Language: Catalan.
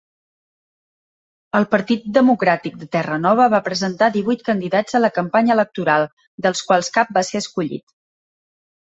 El Partit Democràtic de Terranova va presentar divuit candidats a la campanya electoral, dels quals cap va ser escollit.